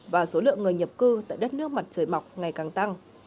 và số lượng người nhập cư tại đất nước mặt trời mọc ngày càng tăng